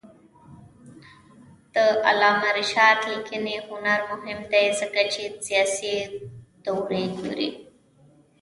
د علامه رشاد لیکنی هنر مهم دی ځکه چې سیاسي دورې ګوري.